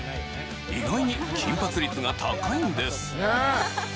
意外に金髪率が高いんです。